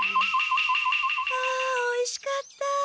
あおいしかった！